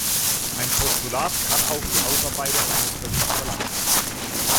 Ein Postulat kann auch die Ausarbeitung eines Berichts verlangen.